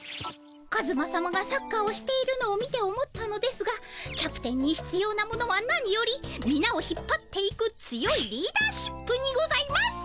カズマさまがサッカーをしているのを見て思ったのですがキャプテンにひつようなものはなによりみなを引っぱっていく強いリーダーシップにございます。